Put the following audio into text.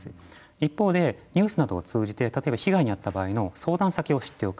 一方でニュースなどを通じて例えば、被害に遭った場合の相談先を知っておく。